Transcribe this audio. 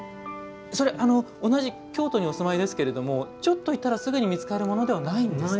同じ京都にお住まいですけどちょっと行ったらすぐに見つかるものではないんですか？